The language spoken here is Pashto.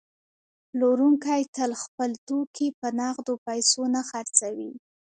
پلورونکی تل خپل توکي په نغدو پیسو نه خرڅوي